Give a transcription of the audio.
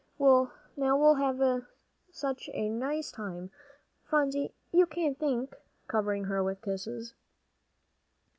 "Well, now we'll have such a nice time, Phronsie, you can't think," covering her with kisses.